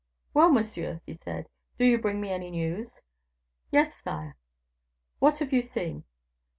"Well, monsieur," he said, "do you bring me any news?" "Yes, sire." "What have you seen?"